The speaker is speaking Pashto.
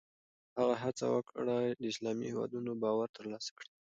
هغه هڅه وکړه د اسلامي هېوادونو باور ترلاسه کړي.